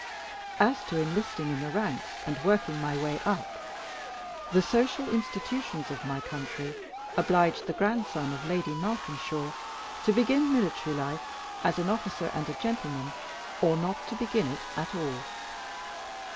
As to enlisting in the ranks, and working my way up, the social institutions of my country obliged the grandson of Lady Malkinshaw to begin military life as an officer and gentleman, or not to begin it at all.